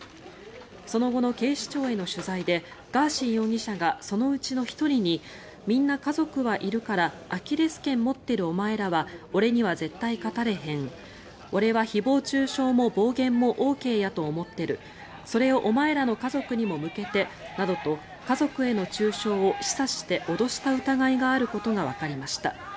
その後の警視庁への取材でガーシー容疑者がそのうちの１人にみんな家族はいるからアキレス腱持ってるお前らは俺には絶対勝たれへん俺は誹謗・中傷も暴言もＯＫやと思ってるそれをお前らの家族にも向けてなどと家族への中傷を示唆して脅した疑いがあることがわかりました。